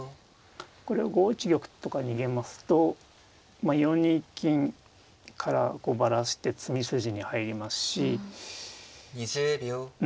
これを５一玉とか逃げますと４二金からバラして詰み筋に入りますしうん